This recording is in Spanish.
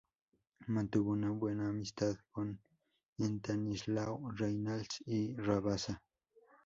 Mantuvo una buena amistad con Estanislao Reynals y Rabassa.